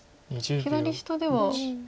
左下では。